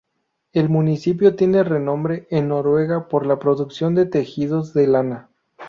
El municipio tiene renombre en Noruega por la producción de tejidos de lana.